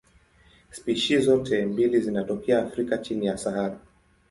Spishi zote mbili zinatokea Afrika chini ya Sahara.